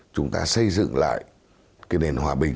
chúng ta xây dựng lại nền hòa bình